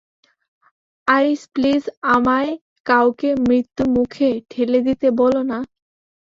আইস, please, আমায় কাউকে মৃত্যুর মুখে ঠেলে দিতে বলো না।